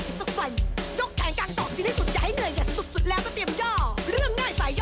ทีมงานเอาทูปเอาเทียนมาเลย